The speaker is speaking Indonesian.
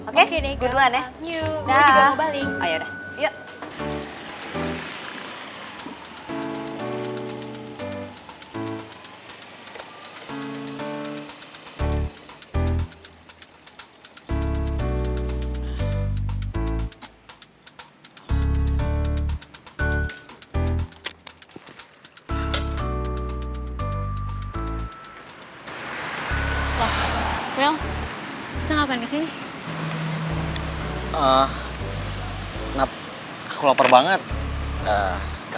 oke gue duluan ya